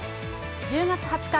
１０月２０日